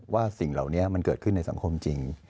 สิ่งเหล่านี้มันเกิดขึ้นในสังคมจริง